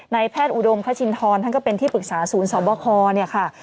แพทย์อุดมพระชินทรท่านก็เป็นที่ปรึกษาศูนย์สอบคอเนี่ยค่ะ